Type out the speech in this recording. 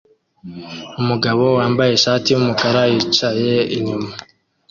Umugabo wambaye ishati yumukara yicaye inyuma